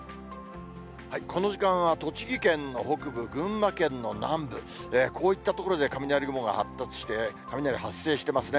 この時間は栃木県の北部、群馬県の南部、こういった所で雷雲が発達して、雷発生してますね。